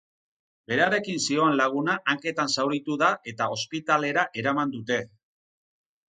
Berarekin zioan laguna hanketan zauritu da eta ospitalera eraman dute.